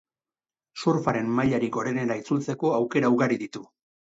Surfaren mailarik gorenera itzultzeko aukera ugari ditu.